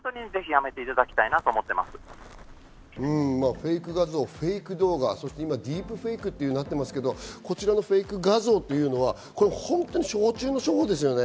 フェイク画像、フェイク動画、今、ディープフェイクとなっていますけど、こちらのフェイク画像というのは初歩中の初歩ですよね。